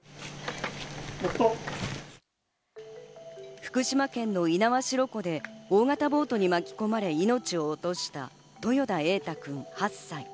福島県の猪苗代湖で大型ボートに巻き込まれ、命を落とした、豊田瑛大君、８歳。